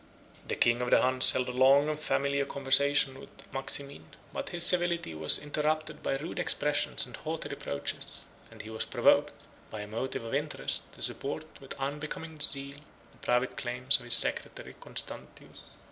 The king of the Huns held a long and familiar conversation with Maximin; but his civility was interrupted by rude expressions and haughty reproaches; and he was provoked, by a motive of interest, to support, with unbecoming zeal, the private claims of his secretary Constantius.